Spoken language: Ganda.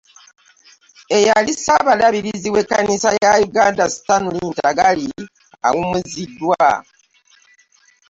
Eyali Ssaabalabirizi w'Ekkanisa ya Uganda, Stanely Ntagali, awummuziddwa